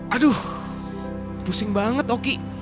aduh pusing banget oki